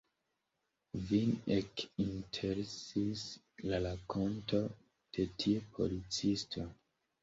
Vin ekinteresis la rakonto de tiu policisto.